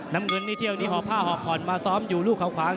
น้ำเงินนี่เที่ยวนี้หอบผ้าหอบผ่อนมาซ้อมอยู่ลูกเขาขวาง